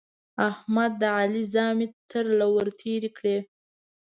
احمد د علي زامې تر له ور تېرې کړې.